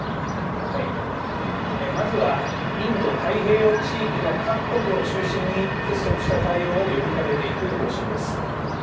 まずは、インド太平洋地域の各国を中心に、結束した対応を呼びかけていく方針です。